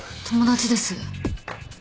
友達です。